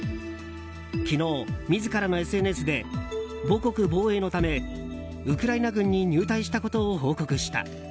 昨日、自らのＳＮＳで母国防衛のためウクライナ軍に入隊したことを報告した。